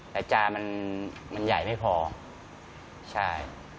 แต่จานมันใหญ่ไม่พอใช่